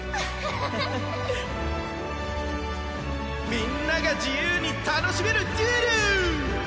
みんなが自由に楽しめるデュエル！